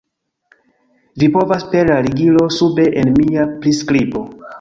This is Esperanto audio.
Vi povas per la ligilo sube en mia priskribo